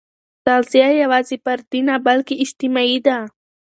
تغذیه یوازې فردي نه، بلکې اجتماعي ده.